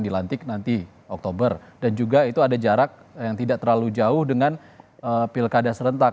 dilantik nanti oktober dan juga itu ada jarak yang tidak terlalu jauh dengan pilkada serentak